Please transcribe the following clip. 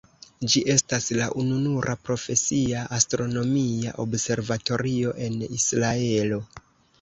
Ĝi estas la ununura profesia astronomia observatorio en Israelo.